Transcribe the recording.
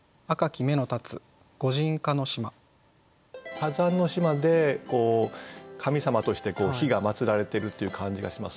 火山の島で神様として火がまつられてるっていう感じがしますね。